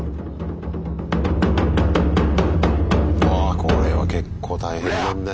これは結構大変なんだよ